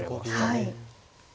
はい。